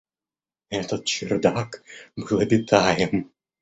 Этот чердак был обитаем.